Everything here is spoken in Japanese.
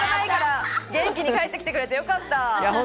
元気に帰ってきてくれてよかった！